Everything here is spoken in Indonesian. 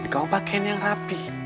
kau pakein yang rapi